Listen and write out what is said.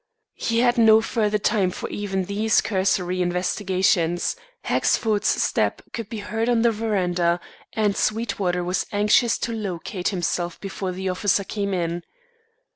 He had no further time for even these cursory investigations; Hexford's step could be heard on the verandah, and Sweetwater was anxious to locate himself before the officer came in.